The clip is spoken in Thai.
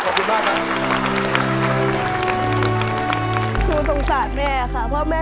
ขอบคุณมากครับ